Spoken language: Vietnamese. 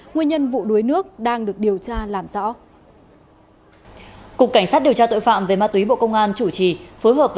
nguyên nhân vụ đuối nước đang được điều tra làm rõ